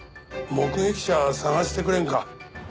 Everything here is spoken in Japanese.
目撃者捜してくれんか？